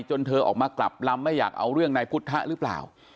เธอออกมากลับลำไม่อยากเอาเรื่องนายพุทธะหรือเปล่า